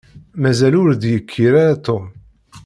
Mazal ur d-yekkir ara Tom.